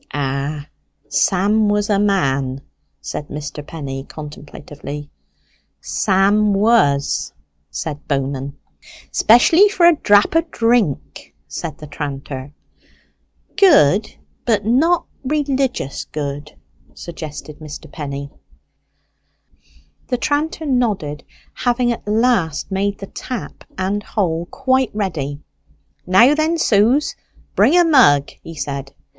"Ah, Sam was a man," said Mr. Penny, contemplatively. "Sam was!" said Bowman. "Especially for a drap o' drink," said the tranter. "Good, but not religious good," suggested Mr. Penny. The tranter nodded. Having at last made the tap and hole quite ready, "Now then, Suze, bring a mug," he said.